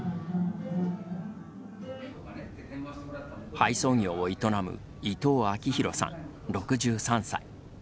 配送業を営む伊藤明寛さん、６３歳。